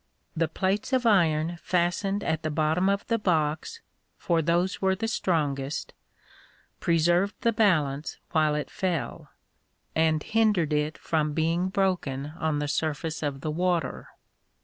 The plates of iron fastened at the bottom of the box (for those were the strongest) preserved the balance while it fell, and hindered it from being broken on the surface of the water.